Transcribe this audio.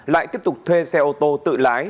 lại tiếp tục thuê xe ô tô tự lái